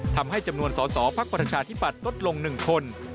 ทำให้จำนวนสอสอภักดิ์ประชาธิปัตย์ลดลง๑คน